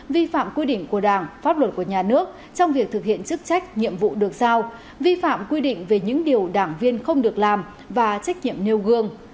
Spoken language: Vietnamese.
vi phạm quy định của đảng pháp luật của nhà nước trong việc thực hiện chức trách nhiệm vụ được sao vi phạm quy định về những điều đảng viên không được làm và trách nhiệm nêu gương